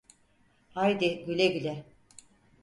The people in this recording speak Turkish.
Haydi güle güle.